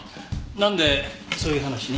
なんでそういう話に？